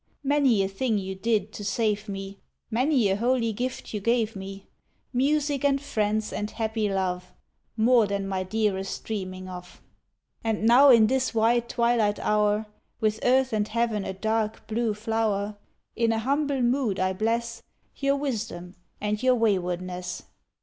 Many a thing you did to save me, Many a holy gift you gave me, Music and friends and happy love More than my dearest dreaming of; And now in this wide twilight hour With earth and heaven a dark, blue flower, In a humble mood I bless Your wisdom and your waywardness.